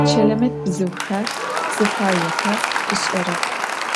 Çelemet bzıuxer zıfaêxer ış'erep.